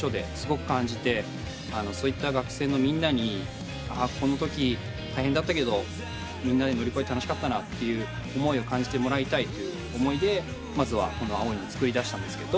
そういった学生のみんなにこのとき大変だったけどみんなで乗り越え楽しかったなという思いを感じてもらいたいという思いでまずは『青いの。』作り出したんですけど。